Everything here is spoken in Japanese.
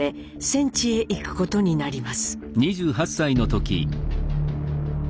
戦地へ行くことになります。